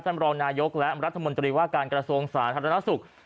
ท่านรองนายกและรัฐมนตรีว่าการกระทรวงศาสตร์ธรรมนาศุกร์